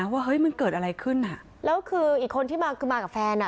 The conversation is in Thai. ว่าเฮ้ยมันเกิดอะไรขึ้นอ่ะแล้วคืออีกคนที่มาคือมากับแฟนอ่ะ